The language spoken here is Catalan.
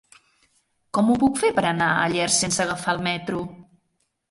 Com ho puc fer per anar a Llers sense agafar el metro?